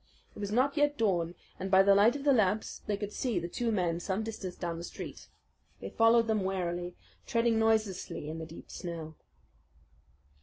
It was not yet dawn, and by the light of the lamps they could see the two men some distance down the street. They followed them warily, treading noiselessly in the deep snow.